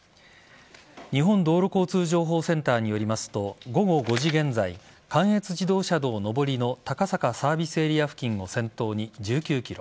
日本道路交通情報センターによりますと午後５時現在関越自動車道上りの高坂サービスエリア付近を先頭に１９ｋｍ